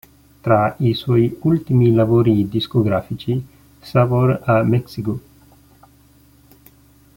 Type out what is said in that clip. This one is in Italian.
Tra i suoi ultimi lavori discografici: "Sabor a México".